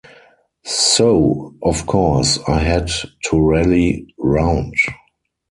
So, of course, I had to rally round.